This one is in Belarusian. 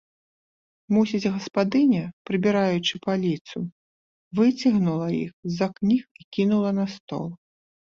Мусіць, гаспадыня, прыбіраючы паліцу, выцягнула іх з-за кніг і кінула на стол.